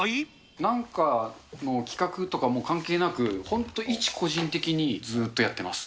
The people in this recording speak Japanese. なんかの企画とか、もう関係なく、本当、一個人的にずっとやってます。